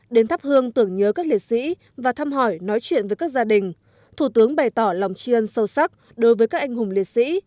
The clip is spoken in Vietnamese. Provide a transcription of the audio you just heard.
đến thắp hương tưởng nhớ các liệt sĩ và thăm hỏi nói chuyện với các gia đình thủ tướng bày tỏ lòng tri ân sâu sắc đối với các anh hùng liệt sĩ